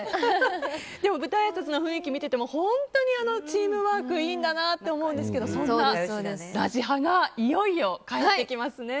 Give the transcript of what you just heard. でも舞台あいさつの雰囲気を見てても本当にチームワークがいいんだなと思うんですがそんな「ラジハ」がいよいよ帰ってきますね。